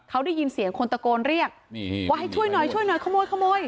เขาได้ยินเสียงคนตะโกนเรียกว่าให้ช่วยหน่อยช่วยหน่อยขโมยขโมย